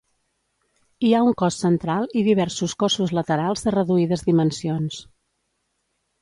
Hi ha un cos central i diversos cossos laterals de reduïdes dimensions.